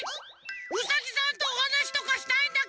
ウサギさんとおはなしとかしたいんだけど。